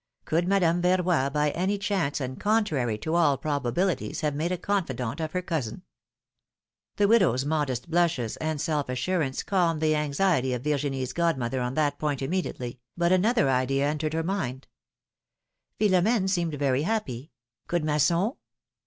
Could Madame Verroy by any chance and contrary to all probabilities have made a confidante of her cousin ? The widow's modest blushes and self assurance calmed the anxiety of Virginie's god mother on that point immediately, but another idea entered her mind : Philorn^ne seemed very happy — Could Mas son?